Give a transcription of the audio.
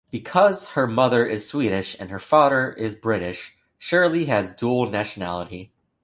Because her mother is Swedish and her father is British, Shirley has dual nationality.